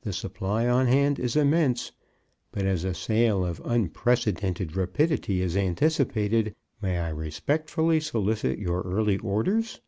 The supply on hand is immense, but as a sale of unprecedented rapidity is anticipated, may I respectfully solicit your early orders?